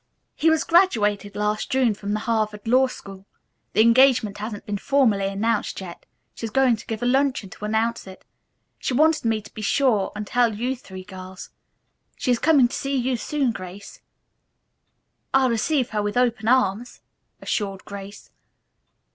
He was graduated last June from the Harvard law school. The engagement hasn't been formally announced yet. She's going to give a luncheon to announce it. She wanted me to be sure and tell you three girls. She is coming to see you soon, Grace." "I'll receive her with open arms," assured Grace.